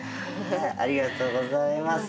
ありがとうございます。